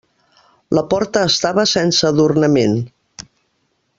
La porta estava sense adornament.